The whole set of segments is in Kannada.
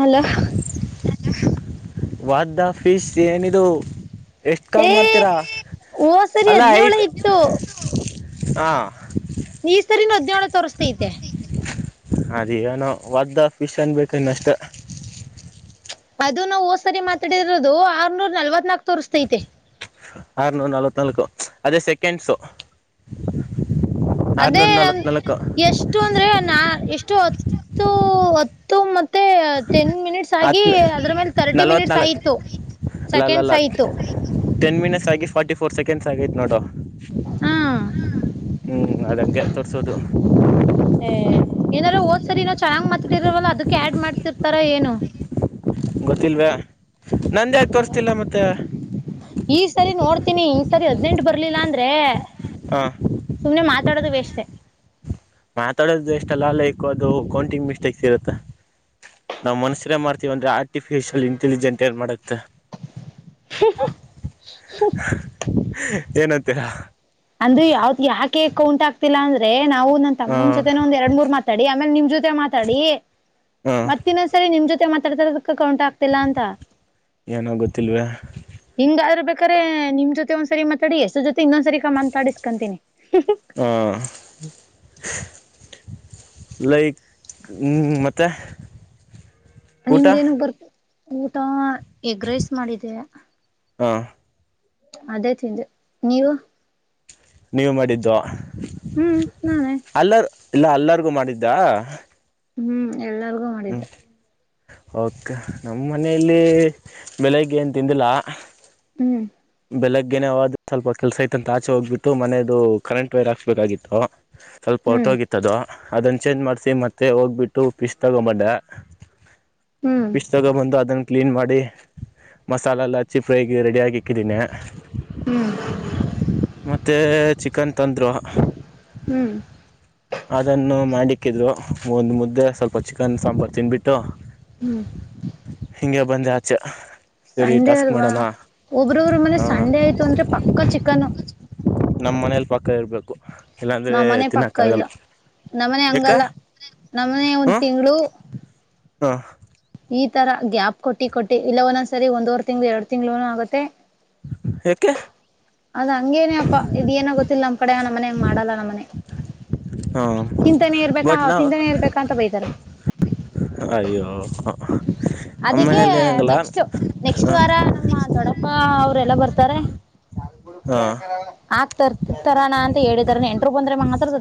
ಹೆಲೋ ವಾದ್ದಾ ಫಿಶ್ ಏನದುು ಎಷ್ಟು ಕಾಲ್ ಏ ಮಾಡ್ತೀರಾ ಓ ಸರಿ ಅಲ್ಲ ಹದ್ನೇಳ ಐಟ್ ಇತ್ತು ಹಾಂ ನೀ ಸರಿ ನ ಉದ್ಯಾವಾನ ತೋರಿಸತತೆ ಅದಗನ ಒದ್ದ ಫಿಶ್ ಅನ್ ಬೇಕ ಇನ್ನು ಅಷ್ಟ ಅದು ನಾವವು ಹೋದ್ ಸರಿ ಮಾತಾಡಿರೋದು ಆರ್ನೂರ್ ನಲ್ವತ್ ನಾಕ ತೋರಿಸಸ್ತೈತೆ ಆರ್ನೂರು ನಲ್ವತ್ನಾಲ್ಕು ಅದೇ ಸೆಕೆಂಡ್ಸು ಅದೇ ಆರ್ನೂರ ನಮ್ ನಲ್ವತ್ನಾಲ್ಕು ಎಷ್ಟು ಅಂದ್ರೆ ನಾ ಎಷ್ಟು ಹತ್ತು ಮತ್ತೆಹತ್ತು ಟೆನ್ ಮಿನಿಟ್ಸ್ ಆಗಿ ಹತ್ತು ಅದ್ರ ಮೇಲೆ ತರ್ಟಿ ಮಿನಿಟ್ಸ್ ನಲ್ವತ್ನಾಲ್ಕು ಆಯತು ಅಲ್ಲ ಅಲ್ಲ ಅಲ್ಲ ಟೆನ್ ಮಿನಿಟ್ಸ್ ಆಗಿ ಫಾರ್ಟಿ ಫೋರ್ ಸೆಕೆಂಡ್ಸ್ ಆಗೈತ್ ನೋಡು ಹಾ ಹ್ಮ್ ಅದು ಹೇಗ ತೋರ್ಸೋಡು ಏನಾರ ಓದ್ ಸರಿ ಇನ್ನ ಚೆನ್ನಾಗ್ ಮಾತಾಡಿರವಲ್ಲ ಅದಕ್ಕೆ ಆ್ಯಡ್ ಮಾಡ್ತಿರ್ತಾರ ಏನು ಗೊತ್ತಿಲ್ವೇ ನಂದ ಯಕೆ ತೋರಿಸ್ತಿಲ್ಲ ಮತ್ತೆ ಹತೀನಿ ಈ ಸರಿ ಹದ್ನೆಂಟು ಬರ್ಲಿಲ್ಲಾ ಅಂದ್ರೆ ಹಾ ಸುಮ್ನೆ ಮಾತಾಡೋದು ವೇಸ್ಟ್ ಮಾತಾಡೋದು ಎಷ್ಟಲ್ಲಲ್ಲೈಕು ಅದು ಕೌಂಟಿಂಗ್ ಮಿಸ್ಟೇಕ್ಸ್ ಇರುತ್ತಾ ನಾವ್ ಮನುಸರ ಮಾಡ್ತೀವ ಅಂದ್ರೆ ಆರ್ಟಿಫಿಶಿಯಲ್ ಇಂಟೆಲಿಜೆಂಟ್ ಏ ಮಾಡುತ್ತೆ ಹ್ಮ್ಮ್. ಏನಂತೀರಾ ಅಂದ್ರೂ ಯಾವತ್ ಯಾಕೆ ಕೌಂಟ್ ಆಗ್ತಿಲ್ಲಾ ಅಂದ್ರೆ ನಾವು ನನ್ ಹ ತಮ್ಮನ ಜೊತೆ ಒಂದ್ ಎರಡ್ ಮೂರ್ ಮಾತಾಡಿ ಆಮೇಲೆ ನಿಮ್ ಜೊತೆ ಮಾತಾಡಿ ಹ ಮತ್ತನ್ನೊಂದ್ಸರಿ ನಿಮ್ ಜೊತೆ ಮಾತಾಡ್ತದ ಕೌಂಟ್ ಆಗ್ತಿಲ್ಲ ಅಂತ ಏನೋ ಗೊತ್ತಿಲ್ವೇ ಹಿಂಗ ರ ನಿಮ್ ಜೊ ಒಂದ್ರಿತಾಡಿ ಎಷ್ಟ ಜೊತೆ ಇನ್ನೊಂದ ಸರಿ ತಡಿಸಕಂತನೆ ಲೈ ಮತ್ತೆ ಊಟ ನಿಮ್ದ ನಗ್ ಬರ್ ಊಟ ಎಗ್ ರೈಸ್ ಮಾಡಿದೆ ಹಾ ಅದೇ ತಿಂದೆ ನೀವು ನೀವು ಮಾಡಿದ್ದು ಹ್ಮ್ ನಾನೇ ಅಲ್ಲರ ಇಲ್ಲ ಎಲ್ಲರಿಗು ಮಾಡಿದ್ದ ಹ್ಮ್ ಎಲ್ಲಾರ್ಗೂ ಮಾಡಿದ್ದ ಓಕೆ ನಮ್ಮ ಮನೆಯಲ್ಲಿ ಬೆಳಗ್ಗೆ ಏನ್ ತಿಂದಿಲ್ಲ ಹ್ಮ್ ಬೆಳಗ್ಗೆೇನೆ ಹ ಸ್ವಲ್ಪ ಕೆಲ್ಸ ಐತ ಅಂತ ಆಚೆ ಹೋಗ್ಬಿಟ್ಟು ಮನೆಯದು ಕರೆಂಟ್ ವೈರ್ ಹಾಕ್ಸ್ಬೇಕಾಗಿತ್ತು ಸ್ವಲ್ಪ ಹ್ಮ್ ಹೊಟೋಗಿತ್ತದು. ಅದನ್ನು ಚೇಂಜ್ ಮಾಡ್ಸಿ ಮತ್ತೆ ಹೋಗ್ಬಿಟ್ಟು ಪೀಸ್ ತಗೋ ಬಂದೆ. ಹ್ಮ್ ಫಿಶ್ ತಗ ಬಂದು ಅದನ್ನ ಕ್ಲೀನ್ ಮಾಡಿ ಮಸಾಲೆ ಎಲ್ಲ ಹಚ್ಚಿ ಫ್ರೈ ರೆಡಿ ಹಾಕಿ. ಹಾಕ್ಕಿದ್ದೀನಿ ಹ್ಮ್ ಮತ್ತು ಚಿಕನ್. ತಂದ್ರ. ಹ್ಮ್ ಅದನ್ನು ಮಾಡ್ಲಿಕ್ಕಿದ್ರು ಒಂದ್ ಮುದ್ದೆ ಸ್ವಲ್ಪ ಚಿಕನ್ ಸಾಂಬಾರು ತಿನ್ಬಿಟ್ಟು. ಹ್ಮ್ ಹಿಗೆ ಬಂದೆ ಆಚ್ಚ. ಸಂಡೆ ಅಲ್ವಾ ಒಬ್ರೊಬ್ರು ಮನೆ ಸಂಡೆ ಆಯ್ತು ಅಂದ್ರೆ ಪಕ್ಕ ಚಿಕನ್. ನಮ್ಮ್ ಮನೇಲಿ ಪಕ್ಕ ಇರ್ಬೇಕು ಇಲ್ಲಾಂದ್ರೆ ನಮ್ಮನೆ ಪಕ್ಕ ತಿನ್ನಕ್ ಇಲ್ಲ ಆಗಲ್ಲ. ನಮ್ಮನೆ ಹಂಗಲ್ಲ ನಮ್ಮನೆ ಒಂದ್ ತಿಂಗಳು. ಹಾ. ಈ ತರ ಗ್ಯಾಪ್ ಕೊಟ್ಟಿ ಕೊಟ್ಟಿ ಇಲ್ಲ ಒಂದ್ ಸರಿ ಒಂದವರ್ ತಿಂಗ್ಗಳು ಎರಡ್ ತಿಂಗ್ಗಳು ಆಗತ್ತೆ. ಯಾಕೆ. ಅದ ಹಂಗೇನ ಅಪ್ಪಾ ಇದ ಏನೋ ಗೊತ್ತಿಲ್ಲ ನಮ್ ಕಡೆ ನಮ್ಮ ಮನೆ ಮಾಡಲ್ಲ ಮನೆ. ಹಾಂ ತಿಂತಾನೆ ಇರ್ಬೇಕ ಬಟ್ ನಾವು ತಿಂತಾನೆ ಇರ್ಬೇಕಾ ಅಂತ ಬೈತಾರ. ಅಯ್ಯೋ ನಮ್ಮ ಅದಕ್ಕೆ ಮನೇಲಿ ಹಂಗಲ್ಲ ನೆಕ್ಸ್ಟ್ ನೆಕ್ಸ್ಟ್ ಹಾಂ ವಾರ ನಮ್ಮ. ದೊಡ್ಡಪ್ಪ ಅವ್ರೆಲ್ಲ ಬರ್ತಾರೆ. ತಾರೆ ಹಾಂ ಆ ತರ್ತರಾನ ಅಂತ ಹೇಳಿದಾರ ಎಂಟರು ಬಂದ್ರೆ ಮಾತ್ರ.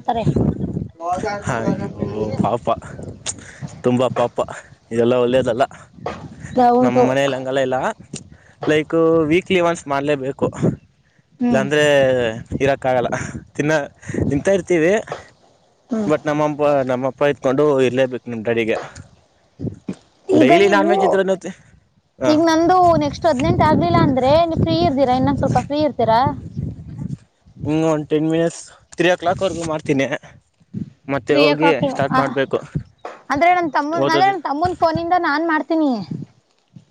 [unintelligible] ಹ ಅಯ್ಯೋ ಪಾಪ ತುಂಬಾ ಪಾಪ ಎಲ್ಲ ಒಳ್ಳೇ. ನಮ್ ಹೌದು ಮನೆಲಂಗಲ್ಲ ಇಲ್ಲ ಲೈಕ್ ವೀಕ್. ಕೀ ಸ್ಮಾಲೆ ಮಾಡಲೇಬೇಕು ಹ್ಮ್ ಇಲ್ಲಾಂದರೆ. ಇರೋಕ್ಕಾಗಲ್ಲ ತಿನ್ನೋ ತಿಂತಾ ಇರ್ತೀವಿ ಹ್ಮ್ ಬಟ್ ನಮ್ಮಪ್ಪ ನಮ್ಮಪ್ಪ ಇ. ಕೊಂಡು ಇರ್ಲೇಬೇಕು ನಿಮ ಡಾಡಿಗೆ. ಈಗ ಡೈಲಿ ನಾನ್ ವೆಜ್ ನೀವು ಇದ್ರೆ ನೋ. ಈಗ ನಂದು ನೆಕ್ಸ್ಟ್ ಹದಿನೆಂಟು ಆಗ್ಲಿಲ್ಲಾ ಅಂದ್ರೆ ನೀ ಫ್ರೀ ಇರ್ತೀರಾ ಇನ್ನೊಂದ. ಸ್ವಲ್ಪ ಫ್ರೀ ಇರ್ತೀರಾ. ಹಂ ಒಂದು ಟೆನ್ ಮಿನಿಟ್ಸ್ ತ್ರೀ ಓ ಕ್ಲಾಕ್ವರೆಗೂ ಮಾಡ್ತೀನಿ. ಮತ್ತೆ ತ್ರೀ ಓ ಹೋಗಿ ಕ್ಲಾಕ್ ಸ್ಟಾರ್ಟ್ ಹ ಮಾಡ್ಬೇಕು. ಅಂದ್ರೆ ನನ್ ತಮ್ಮನ್ ಅಂದ್ರೆ ನನ್ ತಮ್ಮನ್ ಫೋನಿಂದ ನಾನ್ ಮಾಡ್ತೀನಿ.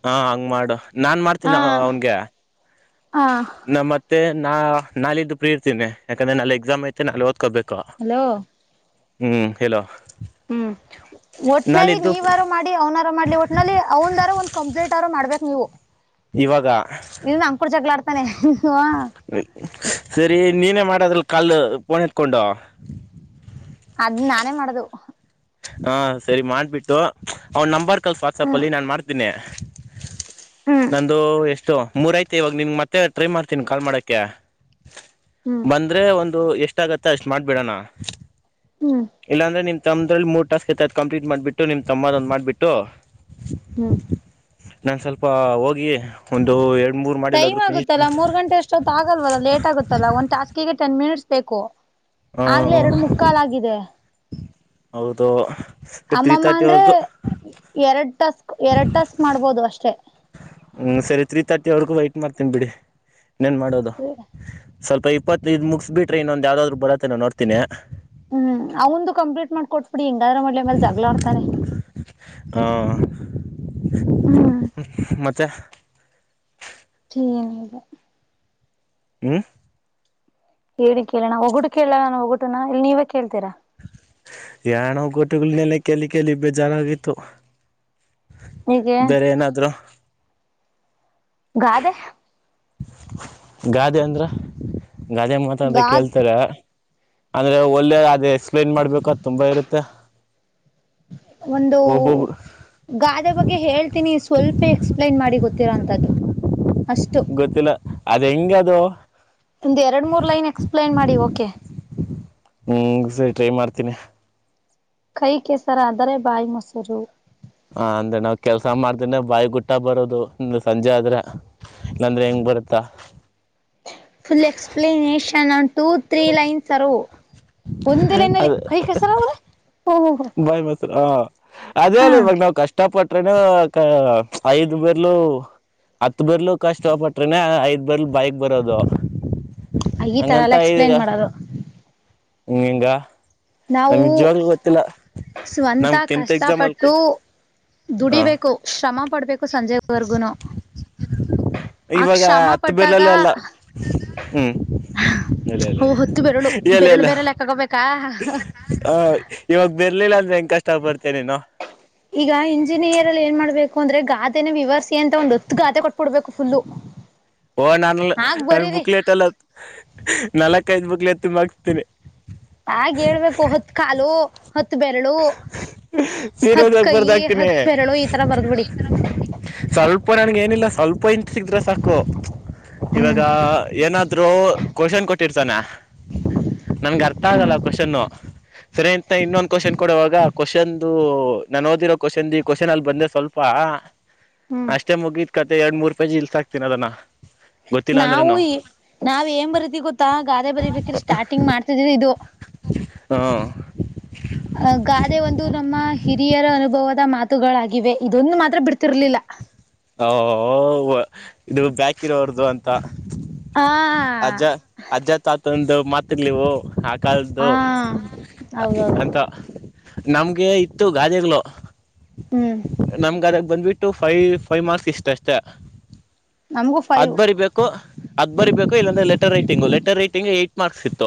ಹಾ ಹಾಂಗ್ ಮಾಡು ನಾನ್ ಹಾ ಮಾಡ್ತೀನಿ ಅವನ್ಗೆ ಹಾ ನಮ್ಮತ್ತೆ. ನಾ ನಾಳಿದು ಪ್ರೀರ್ತೀನ ಯಾಕಂದೆ ನ ಎಕ್ಸಾಮ್ ಐತೆ ನಾ ಓದಕೋಬೇಕು ಹಲೋ. ಹ್ಮ್ ಏಳು. ಹ್ಮ್. ಒಟ್ನಲ್ಲಿ ನೀವಾರು ಮಾಡಿ ಅವ್ನಾರು ಮಾಡ್ಲಿ ಒಟ್ನಲ್ಲಿ ಅವನಾರು ಒಂದ ಕಂಪ್ಲೀಟರ ಮಾಡ್ಬೇಕು ನೀವು. ಇವಾಗ. ಇ ನಮ್ ಕೂಡ ಜಗ್ಗಳಾ ಆಡ್ತಾನೆ.. ಸರಿ ನೀನೇ ಮಾಡದ್ರಲ್ಲಿ ಕಾಲ್ ಫೋನ್ ಎತ್ಕೊಂಡು.. ಅದ್ ನಾನೇ ಮಾಡದು.. ಹಾ ಸರಿ ಮಾಡಿಬಿಟ್ಟು ಅವ್ನ ನಂಬರ್ ಕಲ್ಸ ಹ್ಮ್ ವಾಟ್ಸಪಲ್ಲಿ ನಾನು ಮಾಡ್ತೀನಿ.. ಹ್ಮ್ ನಂದು ಎಷ್ಟು ಮೂರಯ್ತು ಇವಾಗ ನಿನ್ ಮತ್ತೆ ಟ್ರೈ ಮಾಡ್ತೀನಿ ಕಾಲ್ ಮಾಡಕೆ.. ಹ್ಮ್ ಬಂದ್ರೆ ಒಂದು ಎಷ್ಟಾಗತ್ತೆ ಅಷ್ಟು ಮಾಡ್ಬೇಡಣ. ಹ್ಮ್ ಇಲ್ಲಾಂದ್ರೆ ನಿಮ್ ತಮ್ಮ್ರಲ್ಲಿ ಮೂರ್ ಟಾಸ್ಕ್ ಇತ ಕಂಪ್ಲೀಟ್ ಮಾಡ್ಬಿಟ್ಟು ನಿಮ್ ತಮ್ಮದೊಂದ್ ಮಾಡ್ಬಿಟ್ಟು.. ಹ್ಮ್.. ನಾ ಸ್ವಲ್ಪ ಹೋಗಿ ಒಂದು ಎರಡು.. ಟೈಮ್ ಆಗುತ್ತಾ ಮೂರ್ ಗಂಟೆ ಅಷ್ಟೊತ್ತು ಆಗಲ್ವಲ್ಲ ಲೇಟ್ ಆಗುತ್ತಲ್ಲ ಒಂದ್ ಟಾಸ್ಕಿಗೆ ಟೆನ್ ಮಿನಿಟ್ಸ್ ಬೇಕು.. ಆ ಆಗ್ಲೆೇ ಎರಡು ಮುಕ್ಕಾಲಾಗಿದೆ.. ಹೌದು. ತ್ರೀ ಅಮ್ಮಮ್ಮ ಅಂದ್ರೆ ತರ್ಟಿವರೆಗೂ ಎರಡ್ ಟಾಸ್ಕ್ ಎರಡ್ ಟಾಸ್ಕ್ ಮಾಡ್ಬೋದು ಅಷ್ಟೆ. ಹ್ಮ್ ಸರಿ ತ್ರೀ ತರ್ಟಿ ವರ್ಗು ವೇಟ್ ಮಾಡ್ತೀನಿ ಬಿಡಿ ಇನ್ನೇನು ಮಾಡೋದು. ಸ್ವಲ್ಪ ಇಪ್ಪತ್ತು ಇದ್ ಮುಗಿಸ್ ಬಿಟ್ರೆ ಇನ್ನೊಂದು ಯಾವ್ದಾದ್ರು ಬರತ್ತ ನಾ ನೋಡ್ತಿನಿ. ಹ್ಮ್ ಅವಂದು ಕಂಪ್ಲೀಟ್ ಮಾಡ್ಕೊಟ್ಬಿಡಿ ಹಿಂಗಾದ್ರ ಮಾಡ್ಲಿ ಆಮೇಲೇ ಜಗ್ಗಳಾಡ್ತಾನೆ. ಮತ್ತೆ. [unintelligible] ಹ್ಹ. ಹೇಳಿ ಕೇಳೋಣ ಒಗಟ್ಟು ಕೇಳಣ ನಾನ ಒಗ್ಗಟು ನಾ ಇಲ್ಲಾ ನೀವೇ ಕೇಳ್ತೀರಾ. ಯಾಣೋ ಗೋಟುಗಳನೆೆಲ್ಲ ಕೇಳಿ ಕೇಳಿ ಬೇಜಾರಾಗಿತ್ತು. ಹೀಗೆ ಬೇರೆ ಏನಾದ್ರು. ಗಾದೆ. ಗಾದೆ ಅಂದ್ರ ಗಾದೆ ಮಾತ ಅಂತ ಗಾದ್ ಕೇಳ್ತಾರೆ. ಅಂದ್ರೆ ಒಳ್ಳೆ ಅದ ಎಕ್ಸ್ಪ್ಲೇನ್ ಮಾಡ್ಬೇಕ ಅದು ತುಂಬಾ ಇರುತ್ತೆ. ಒಂದು ಒಬ್ಬೊಬ್ರು ಗಾದೆ ಬಗ್ಗೆ ಹೇಳ್ತೀನಿ ಸ್ವಲ್ಪ ಎಕ್ಸ್ಪ್ಲೇನ್ ಮಾಡಿ ಗೊತ್ತ ತ್ತರಂತದ್ದು. ಗೊತ್ತಿಲ್ಲ ಅದ ಹೆಂಗ ಅದು. ಒಂದ್ ಎರಡು ಮೂರ್ ಲೈನ್ ಎಕ್ಸ್ಪ್ಲೇನ್ ಮಾಡಿ ಓಕೆ. ಹ್ಮ್ ಸರಿ ಟ್ರೈ ಮಾಡ್ತೀನಿ. ಕೈ ಕೆಸರಾದರೆ ಬಾಯಿ ಮೊಸರು. ಹ ಅಂದ್ರೆ ನಾವ್ ಕೆಲ್ಸ ಮಾಡ್ದೇನೇ ಬಾಯಿ ಗುಟ್ಟ ಬರೋದು ಒ ಸಂಜೆ ಆದ್ರೆ ಇಲ್ಲಂದ್ರೆ ಹೆಂಗ್ ಬರುತ್ತಾ. ಫುಲ್ ಎಕ್ಸ್ಪೆಲಿನೇಷನ್ ಅಂತ. ಟೂ ತ್ರೀ ಲೈನ್ ಸರು ಒಂದೇ ಲೈನ್ ಅಲ್ಲಿ ಕೈ ಕಸ್ರ [unintelligible] ಬಾಯಿ ಮೊಸುರಾ ಅದೇ ಹಾ ಇವಾಗ ನಾವು ಕಷ್ಟ ಪಟ್ಟ [unintelligible] ಐದು ಬೆರಳು. ಹತ್ ಬರ್ಲು ಕಷ್ಟಪಟ್ರನೆ ಐದ್ ಬರ್ಲು ಬಾಯಿಗೆ ಬರೋದು. ಈ ತರ ಹಂಗಂತ ಅಲ್ಲಾ ಎಕ್ಸ್ಪ್ಲೇನ್ ಮಾಡದು. ಇನ್ನ ಹೆಂಗ. ನಾವು ಸ್ವಂತ ನಮ್ ಟೆಂತ್ ಎಕ್ಸಾಮ್ ಅಲ್ ಕಷ್ಟಪಟ್ಟು. ಹ ದುಡಿಬೇಕು ಶ್ರಮ ಪಡ್ಬೇಕು ಸಂಜೆವರ್ಗುನು. ಆ ಇವಾಗ ಶ್ರಮ ಹತ್ತು ಪಟ್ಟಾಗ ಬೆರ್ಲೆಲ್ಲ ಅಲ್ಲ ಹ್ಮ್. [unintelligible] ಹೊತ್ತು ಬೆರಳು ಬೆರಳು ಬೆರಳ ಹಾಕಬೇಕಾ ಹ ಇವಾಗ ಬೇರ್ಲಿಲ್ಲ ಅಂದ್ರೆ ಹೆಂ ಈಗ ಇಂಜಿನಿಯರ್ ಅಲ್ಲಿ ಏನ್ ಮಾಡ್ಬೇಕು [unintelligible] ಅಂದ್ರೆ ಗಾದೆನೆ ವಿವರಿಸಿ ಅಂತ ಒಂದು ಹತ್ತು ಗಾದೆ ಕೊಟ್ ಬಿಡಬೇಕು ಫುಲ್ಲು. ಓ ನಾನ ಆಗ್ ನಾನ ಬರೀರಿ ಬುಕ್ಲೆಟ್ಲಲ್ಲ ನಾಲ್ಕ ಐದು ಬುಕ್ಲೆತ್ತ ತುಂಬಕ್ತಿನಿ. ಹಾಗ ಹೇಳ್ಬೇಕು ಹತ್ ಕಾಲು ಹತ್ ಬೆರಳು. ಸೀರಿಯಸ್ ಹತ್ ಆಗಿ ಕೈ ಬರ್ದಾಕ್ತೀನಿ ಹತ್ ಬೆರಳು ಈ ತರ ಬರ್ದ್ ಬಿಡಿ. ಅಪ್ಪ ನನ್ಗ ಏನಿಲ್ಲ ಸ್ವಲ್ಪ ಇಂತ್ ಸಿಕ್ರೆ ಸಾಕು. ಇವಾಗ ಹ್ಮ್ ಏನಾದ್ರೂ ಕ್ವೆಷನ್ ಕೊಟ್ಟಿರ್ತಾನ. ನನ್ಗೆ ಅರ್ಥ ಆಗಲ್ಲ ಹ್ಮ್ ಕ್ವೆಷನ್ನೂ. ಸರೆಂತ ಇನ್ನೊಂದು ಕ್ವೆಶ್ಚನ್ ಕೊಡುವಾಗ ಕ್ವೆಶ್ಚನ್ ಅಂದು ನಾನ್ ಓದಿರೋ ಕ್ವಶನ್ ಈ ಕ್ವಶನ್ ಅಲ್ಲಿ ಬಂದ್ರೆ ಸ್ವಲ್ಪ. ಹ ಹ್ಮ್ ಅಷ್ಟೇ ಮುಗಿದ್ ಕತೆ ಎರಡ್ ಮೂರ್ ಪೇಜ್ ಇಳಿಸಿ ಹಾಕ್ತೀನಿ ಅದನ್ನ. ಗೊತ್ತಿಲ್ಲ ನಾವು ಅಂದ್ರುನು. ನಾವ್ ಏನ್ ಬರೀತೀವಿ ಗೊತ್ತಾ ಗಾದೆ ಬರಿಬೇಕ್ರ ಸ್ಟಾರ್ಟಿಂಗ್ ಮಾಡ್ತಿದ್ ಇದು. ಹ್ಹಾ. ಅ ಗಾದೆ ಒಂದು ನಮ್ಮ ಹಿರಿಯರ ಅನುಭವದ ಮಾತ್ ಮಾತುಗಳಾಗಿವೆ ಇದೊಂದು ಮಾತ್ರ ಬಿಡ್ತಿರ್ಲಿಲ್ಲ. ಇದು ಬ್ಯಾಕಿರೋರ್ದು ಅಂತ. ಆ ಅಜ್ಜ ಅಜ್ಜ ತಾತ ಒಂದು ಮಾತುಗಳಿವು. ಕಲ್ದು ಆ ಹೌದೌದು ಅಂತ ನಮ್ಗೆ ಇತ್ತು ಗಾದೆಗ್ಗಳು ಹ್ಮ್ ನಮ್ ಗಾದಾಗ ಬಂದ್ಬಿಟ್ಟು ಫೈ ಫೈವ್ ಮಾರ್ಕ್ಸ್ ಇಷ್ಟಷ್ಟ ನಮಗೂ ಅದ್ ಫೈವ್ ಬರಿಬೇಕು ಅದ್ ಬರಿಬೇಕು ಇಲ್ಲಾಂದ್ರೆ letter writing letter writing eight marks ಇತ್ತು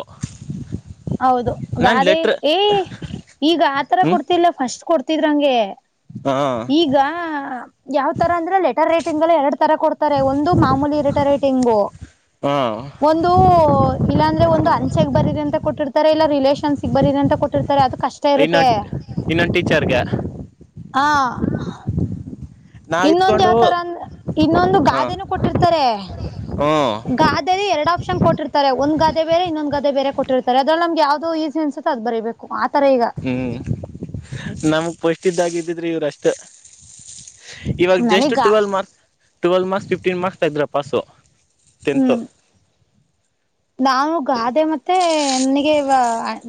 ಹೌದು ನಾನ್ ಗಾದೆ ಲೆಟ್ರ್ ಏ ಈಗ ಆತರ ಹ್ಮ್ ಕೊಡ್ತಿಲ್ಲ ಫಸ್ಟ್ ಕೊಡ್ತ ಹುಟ್ಟಿದಂಗೆ ಹ ಈಗ ಯಾತರ ಅಂಗೆ ಲೆಟರ್ ರೈಟ್ ತಿಂಗಳ ಎರಡ್ ತರ ಕೊಡ್ತಾರೆ ಒಂದು ಮಾಮೂಲಿ ಇರಟ ರೇಟಿಂಗು ಹ ಒಂದು ಇಲ್ಲಾಂದ್ರೆ ಒಂದು ಅ ಚೆಗ್ ಬರರಿ ಅಂತ ಕೊಟ್ಟಿತಾರೆ ಇಲ್ಲ ರಿಲೇಷನ್ಸ್ಗೆ ಬರರಿ ಅಂತ ಕೊಟ್ಟಿತಾರೆ ಅದಕ್ಕೆ ಇನ್ನ ಇನ್ನೊ ಟೀಚರ್ಗೆ ಹಾ ನಾವ್ ಇನ್ನೊಂದು ಇತ್ಕೊಂಡು ಯಾವತರ ಇನ್ನೊಂದು ಹ ಗಾದೆನ ಕೊಟ್ಟಿರ್ತಾರೆ ಹ್ಮ ಗಾದರಿ ಎರಡು ಅಪ್ ಕ್ಷನ್ ಕೊಟ್ಟಿರ್ರೆ ಒಂದ ಗಾದೆ ಬೇರೆ ಇನ್ನೊಂದು ಗಾದೆ ಬೇರೆ ಕೊಟ್ಟಿತಾರೆ ಅದ್ರಲ್ಲಿ ನಮಗೆ ಯಾವವುದ ಈಸ ಅನ್ಸುತ್ತೆ ಅದು ಬರಿಬೇಕ್ ಮತ್ ಹ್ಮ್ ನಮಗ್ ಪಸ್ಟ್ಗಿದ್ದಿದ್ರಿ ಇವ್ರಷ್ಟ ಇವಾಗ ಜಸ್ಟ್ ನನೀಗ twelve marks twelve marks fifteen marks ತ ಇದ್ದ್ರ ಪಾಸು ತೆಂತು ನಾನು ಗಾದೆ ಮತ್ತೆ ನನಗೆ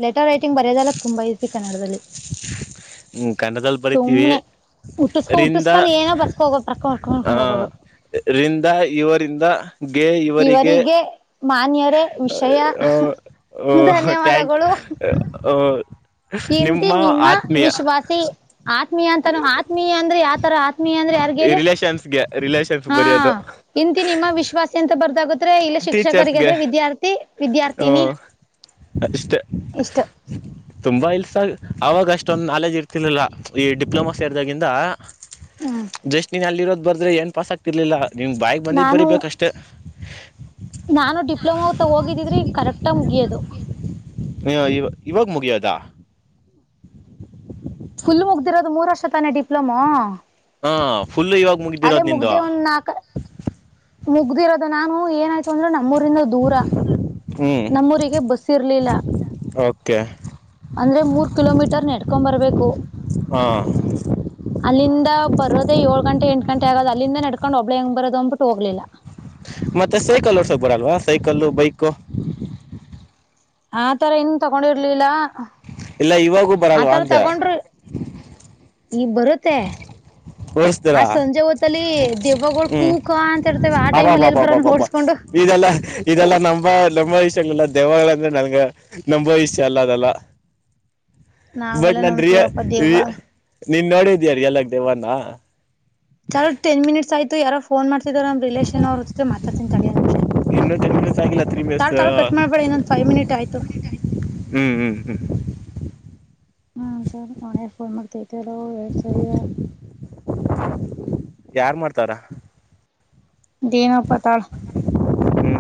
ಲೆಟರ್ ರೈಟಿಂಗ್ ಬರಯದಲ್ಲ ತುಂಬ ಈಸಿ ಕನ್ನಡದಲ್ಲಿ ಹ್ಮ್ ಗಂಡದಲ್ಲಿ ಬರಿತೀವಿ ಉಟ್ಟಸ್ಕೊ ಹ ರಿಂದ ಉಟ್ಟಿಸಸ್ಕೊಂಡು ಏನೋ ಬರ್ಸ್ಕ ಹೋಗೋ ಆ ಬರ್ಕೊಂಡ್ರ್ಕೊಂಡ್ಕೊಂಡು ಹೋಗೋದು ರಿಂದ ಇವರಿಂದ ಇವರಿಗೆ ಮಾನ್ಯರೇ ವಿಷಯ ಆ ಓ ಥ್ಯಾಂಕ್ ತಿಂತಿ ನಿಮ್ಮ ವಿಶ್ವಾಸಿ ಆತ್ಮೀಯ ಅಂತಾನ ಆತ್ಮೀಯ ಅಂದ್ರೆ ಯಾವತರ ಆತ್ಮೀಯ ಅಂದ ಯಾರ್ಗ ರಿಲೇಷನ್ಸ್ಗೆ ರಿಲೇಷನ್ಸ್ ಹ ಬರೆಯೋದು ಇಂತ ನಿಮ್ಮ ವಿಶ್ವಾಸ ಇಲ್ಲ ಟೀಚರ್ಸ್ಗೆ ಶಿಕ್ಷಕರಿಗೆದ್ರೆ ವಿದ್ಯಾರ್ಥಿ ವಿದ್ಯಾರ್ಥಿನಿ ಹ್ಮ ಅಷ್ಟೆ ಇಷ್ಟು ತುಂಬಾ ಇಲ್ಸ ಅವಾಗ ಅಷ್ಟೊಂದು ನಾಲೇಜ್ ಇರ್ತ ಲಿಲ್ಲ ಈ ಡಿಪ್ಲೊಮಾ ಸೇರದಾಗಿಂದ ಹ್ಮ್ ಜಸ್ ನೀ ಅಲ್ಲಿರೋದು ಬರದ್ರೆ ಏನ್ ಪಾಸ್ ಆಗ್ತಿರ್ಲಿಲ್ಲ ನೀವ್ ಬಾಯಗ್ ಬಂದಿದ್ ನಾನು ಬರಿೀಬೇಕಷ್ಟೇ ನಾನು ಡಿಪ್ಲೊಮಾತ್ತ ಹೋಗಿದ್ರೆ ಕರೆಕ್ಟ ಮುಗಿಯೋದು ಹ ಇವಾಗ ಮುಗಿಯೋದಾ ಇರೋದು ಮೂರು ವರ್ಷ ತಾನೇ ಡಿಪ್ಲೊಮಾ ಹಾ ಫುಲ್ಲು ಇವಾಗ ಅಲ್ಲೇ ಮುಗಿದ್ದಿರೋದ್ ನಿಂದು ಮುಗ್ದೆ ಒಂದ್ ನಾಕ ಮುಗ್ದಿರೋದು ನಾನು ಏನಾಯ್ತು ಅಂದ್ರೆ ನಮ ನಮ್ಮೂರಿನ ದೂರ ಹ್ಮ್ ನಮ್ಮೂರಿಗೆ ಬಸ್ ಇರ್ಲಿಲ್ಲ ಓಕೆ ಅಂದ್ರೆ ಮೂರು ಕಿಲೋಮೀಟರ್ ನೆಡ್ಕೊಂಬರಬೇಕು ಹಾ ಅಲ್ಲಿಂದ ಬರೋದೇ ಏಳ್ ಗಂಟೆ ಎಂಟು ಗ ಅಲ್ಲಿಂದ ನಡ್ಕೊಂಡ ಒಬ್ಳ ಹೆಂಗ ಬರದು ಅ್ಬಟ್ಟ ಹೋಗ್ಲಿಲ್ಲ ಮತ್ತೆ ಸೈಕಲ್ ಓರ್ಸೋಕ್ ಬರಲ್ವಾ ಸೈಕಲ್ಲು ಬೈಕು ಆ ತರ ಇನ್ ತಗೊಂಡಿರ್ಲಿಲ್ಲ ಇಲ್ಲ ಇವಾಗೂ ಬರಲ್ವಾ ಆತರ ಅಂದೆ ತಗೊಂಡ್ರೆ ಈ ಬರುತ್ತೆ ಆ ಓಡಸ್ತೀರಾ ಸಂಜೆ ಹೊತ್ತಲ್ಲಿ ದೆವಗಳು ಹ್ಮ್ ಕೂಕ ಅಂತ ಇರ್ತೇವೆ ಆ ಟೈಮ್ ಅಲ್ಲಿ ಎಲ್ಲಿ ಬರ ನೋಡ್ಸ್ಕೊಂಡು ಇದೆಲ್ಲಾ ಇದೆಲ್ಲ ನಂಬ ನಂಬ ವಿಷ ಆಗ್ಲ್ಲ ದೇವ್ ಅಂದ್ರೆ ನನ ನಂಬೋ ಇಷ ಅಲ್ಲ ಅದಲ್ಲ ಬಟ್ ನಾವೆಲ್ಲ ನನ್ ನಂಬ್ತೀವಪ್ಪ ರಿಯರಿ ದೆವ್ವ ನೀನ್ ನೋಡಿದಯಾರ ಎಲ್ಲಕ್ ದೇವಾನ ಚಲ ಟನ್ ಮಿಟ್ ಆಯ್ತುಾರೋ ಫೋನ್ ಮಾಡ್ತಿದಾರ ನ ರಿಲೇಷನ್ ಅವ್ರು ಮಾತಾತನಿ ತಡೋ ನಿಮಿಷ ಇನ್ನೂ ತನ ಮಯಸ ಆಯಿಲ್ಲ ಅತ್ರನ ಬಸ ತಾಳ್ ತಾಳ್ ಕಟ್ ಮಾಡ್ಬೇಡ ಇನ್ನೊಂದ್ ಫೈವ್ ಮಿನಿಟ್ ಆಯ್ತು ಹ್ಮ್ ಹ್ಮ್ ಹ್ಮ್ ಹ್ಮಂತ ಮನ ಫೋನ್ ಮಾಡ್ತೈತೆ ಸರಿಯ ಯಾರ್ ಮಾಡ್ತಾರ ದಾನಪ್ಪ ಪತಾಳ ಹ್ಮ್